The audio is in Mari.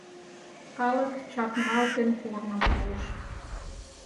Калык, чакналтен, корным пуыш.